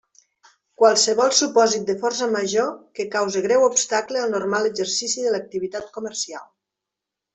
Qualsevol supòsit de força major que cause greu obstacle al normal exercici de l'activitat comercial.